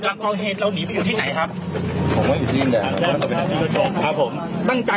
แล้วตอนนั้นมิ้นนั่งดูอ่ะฮะเขาพูดอะไรบ้างมั้ย